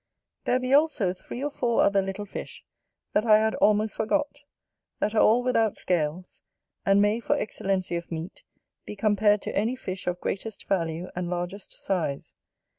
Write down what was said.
There be also three or four other little fish that I had almost forgot; that are all without scales; and may for excellency of meat, be compared to any fish of greatest value and largest size.